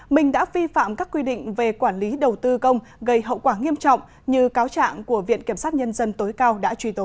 mình đã vi phạm các quy định về quản lý đầu tư công gây hậu quả nghiêm trọng như cáo trạng của viện kiểm sát nhân dân tối cao đã truy tố